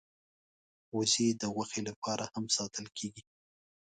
وزې د غوښې لپاره هم ساتل کېږي